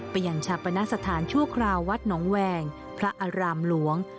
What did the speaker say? ไปยังชาปนสถานชั่วคราววัดหนองแวงพระอารามหลวง